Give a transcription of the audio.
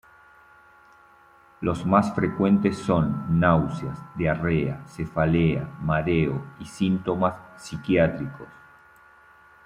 Los más frecuentes son: Náuseas, diarrea, cefalea, mareos y síntomas psiquiátricos.